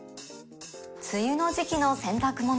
梅雨の時期の洗濯物